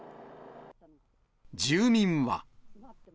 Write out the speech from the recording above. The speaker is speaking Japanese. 住民は。